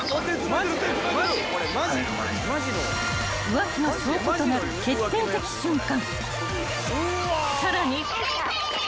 ［浮気の証拠となる決定的瞬間］